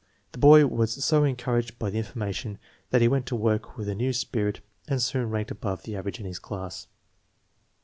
The boy was so encouraged by the information that he went to work with a new spirit and soon ranked above the average in his class.